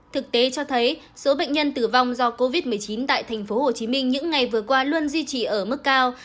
thực tế cho thấy số bệnh nhân tử vong do covid một mươi chín tại tp hcm những ngày vừa qua luôn duy trì ở mức cao